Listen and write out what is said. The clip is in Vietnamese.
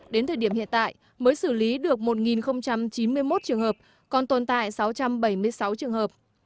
đến thời điểm hiện tại mới xử lý được một chín mươi một trường hợp còn tồn tại sáu trăm bảy mươi sáu trường hợp